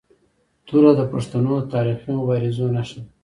توره د پښتنو د تاریخي مبارزو نښه ده.